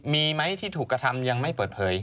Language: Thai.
มีไหมที่ถูกกระทำยังไม่เปิดเผย